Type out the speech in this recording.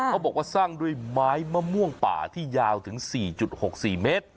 เขาบอกว่าสร้างด้วยไม้มะม่วงป่าที่ยาวถึง๔๖๔เมตร